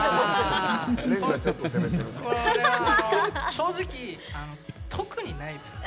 正直、特にないです。